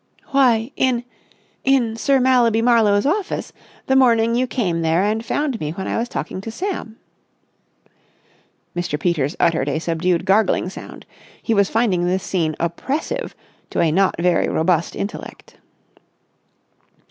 "Why, in—in Sir Mallaby Marlowe's office, the morning you came there and found me when I was talking to Sam." Mr. Peters uttered a subdued gargling sound. He was finding this scene oppressive to a not very robust intellect.